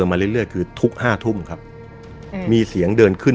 มาเรื่อยคือทุกห้าทุ่มครับมีเสียงเดินขึ้น